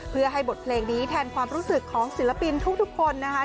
เพื่อให้บทเพลงนี้แทนความรู้สึกของศิลปินทุกคนนะคะ